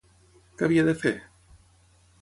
Què havia de fer?